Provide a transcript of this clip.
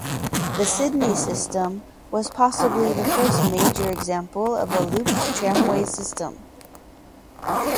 The Sydney system was possibly the first major example of a looped tramway system.